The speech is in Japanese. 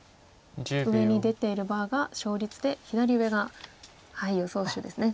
上に出ているバーが勝率で左上が予想手ですね。